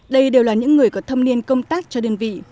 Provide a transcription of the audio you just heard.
đây đều là những người có thâm niên công tác cho đơn vị